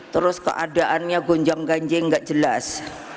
terus keadaannya gonjam ganjing gak jelas